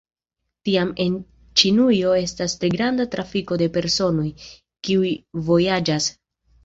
Tiam en Ĉinujo estas tre granda trafiko de personoj, kiuj vojaĝas.